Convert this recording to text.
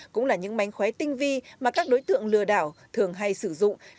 cũng là những mánh khóe tinh vi mà các đối tượng lừa đảo thường hay sử dụng